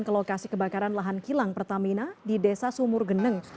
ke lokasi kebakaran lahan kilang pertamina di desa sumur geneng